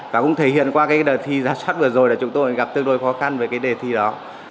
và cũng thể hiện qua cái đợt thi giáo sát vừa rồi là chúng tôi gặp tương đối khó khăn với cái đợt thi đó